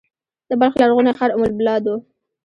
د بلخ لرغونی ښار ام البلاد و